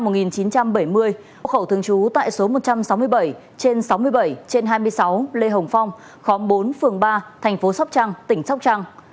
hồ khẩu thường trú tại số một trăm sáu mươi bảy trên sáu mươi bảy trên hai mươi sáu lê hồng phong khóm bốn phường ba thành phố sóc trăng tỉnh sóc trăng